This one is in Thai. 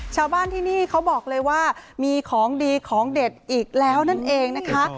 ชาวบ้านที่นี่เขาบอกเลยว่ามีของดีของเด็ดอีกแล้วนั่นเองนะคะ